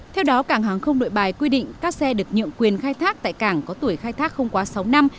theo đó cảng hàng không nội bài quy định các xe được nhượng quyền khai thác tại cảng có tuổi khai thác không quá sáu năm